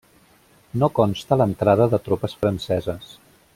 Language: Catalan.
No consta l'entrada de tropes franceses.